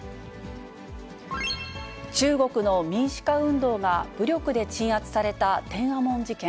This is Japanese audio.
中国の民主化運動が武力で鎮圧された天安門事件。